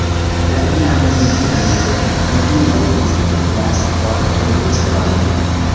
La iama minejo hodiaŭ viziteblas por turistoj.